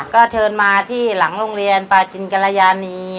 ก็เชิญมาที่หลังโรงเรียนปาจินกรยานี